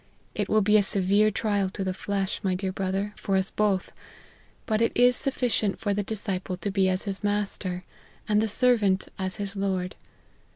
It will be a severe trial to the flesh, my dear brother, for us both ; but it is sufficient for the disciple to be as his master, and the servant as his Lord.